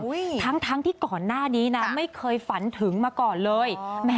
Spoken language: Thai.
ทั้งทั้งที่ก่อนหน้านี้นะไม่เคยฝันถึงมาก่อนเลยแม่